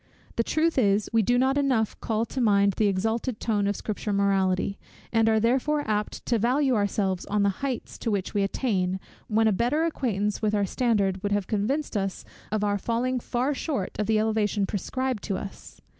The truth is, we do not enough call to mind the exalted tone of Scripture morality; and are therefore apt to value ourselves on the heights to which we attain, when a better acquaintance with our standard would have convinced us of our falling far short of the elevation prescribed to us.